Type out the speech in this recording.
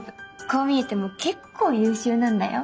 こう見えても結構優秀なんだよ。